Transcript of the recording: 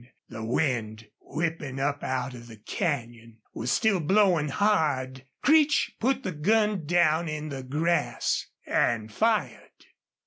The wind, whipping up out of the canyon, was still blowing hard. Creech put the gun down in the grass and fired.